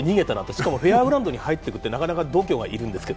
しかもフェアグラウンドに入ってるってなかなか勇気が要るんですが。